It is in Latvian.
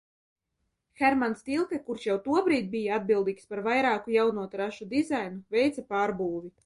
Hermans Tilke, kurš jau tobrīd bija atbildīgs par vairāku jauno trašu dizainu, veica pārbūvi.